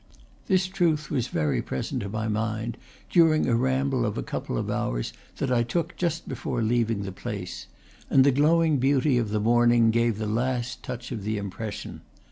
This truth was very present to my mind during a ramble of a couple of hours that I took just before leaving the place; and the glowing beauty of the morning gave the last touch of the impression.